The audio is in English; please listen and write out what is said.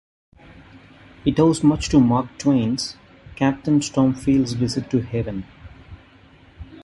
It owes much to Mark Twain's "Captain Stormfield's Visit to Heaven".